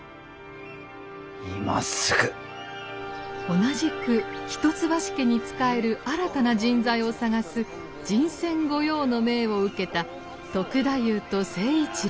同じく一橋家に仕える新たな人材を探す人選御用の命を受けた篤太夫と成一郎は。